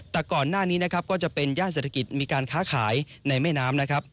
แต่ก่อนหน้านี้นะครับก็จะเป็นย่านเศรษฐกิจมีการค้าขายในแม่น้ำนะครับ